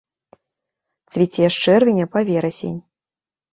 Цвіце з чэрвеня па верасень.